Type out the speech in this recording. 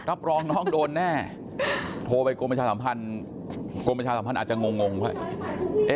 รับรองน้องโดนแน่โทรไปกรมประชาสัมพันธ์อาจจะงงไป